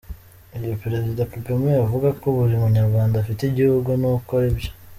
Iyo Perezida Kagame avuga ko buri munyarwanda afite igihugu, ni uko ari byo.